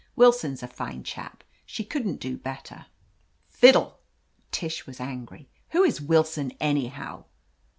"Willson's a fine chap — she couldn't do better." "Fiddle I" Tish was angry. "Who is Will son, anyhow